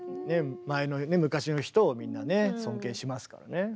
前のね昔の人をみんなね尊敬しますからね。